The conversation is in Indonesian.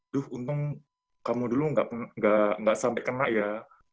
duh untung kamu dulu nggak sampai kena ya